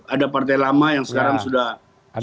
ada partai lama yang sekarang sudah cek out